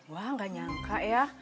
wah gak nyangka ya